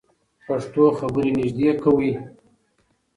پښتو خبرې نږدې کوي.